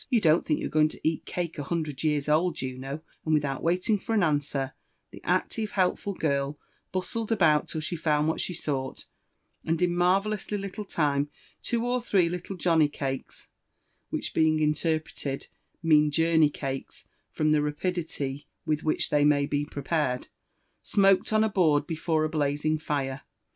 — you don't think you're going to eat cake a hundred years old, Juno?" And without waiting for an answer, the active, helpful girl bustled about till she found what she sought, and in marvellously little time two or three light Johnny cakes (which, being interpreted, mean jaurney cakeSf from the rapidity with which they may be prepared) smoked on a board before a blazing fire.